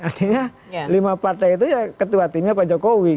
artinya lima partai itu ya ketua timnya pak jokowi